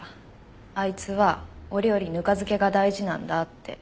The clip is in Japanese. あいつは俺よりぬか漬けが大事なんだって。